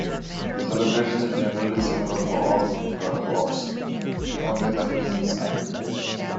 The celebration is generally similar for all Gurpurabs; only the hymns are different.